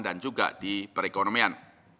dan juga di perekonomian